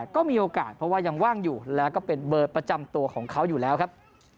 ก็มีโอกาสเพราะว่ายังว่างอยู่แล้วก็เป็นเบอร์ประจำตัวของเขาอยู่แล้วครับ